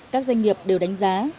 các doanh nghiệp đều đánh giá